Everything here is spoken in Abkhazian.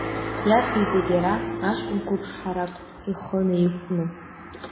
Иациҵеит иара, аҷкәын қәыԥш ҳарак ихы наиқәкны.